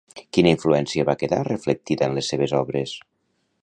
Quina influència va quedar reflectida en les seves obres?